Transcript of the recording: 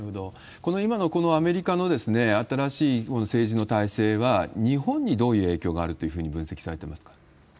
この今のアメリカの新しい政治の体制は、日本にどういう影響があるというふうに分析されてますか？